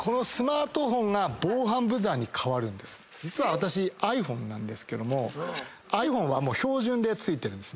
私ｉＰｈｏｎｅなんですけどもｉＰｈｏｎｅは標準でついてるんです。